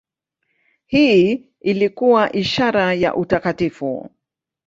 Hii ilikuwa ishara ya utakatifu.